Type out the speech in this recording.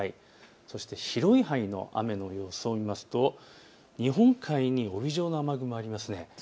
そして広い範囲の雨の予想を見ますと日本海に帯状の雨雲がありますね。